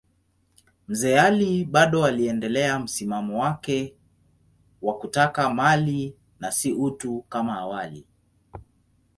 Mzee Ali bado aliendelea msimamo wake wa kutaka mali na si utu kama awali.